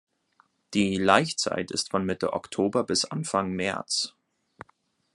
Die Laichzeit ist von Mitte Oktober bis Anfang März.